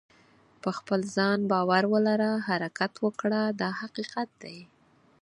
په خپل ځان باور ولره حرکت وکړه دا حقیقت دی.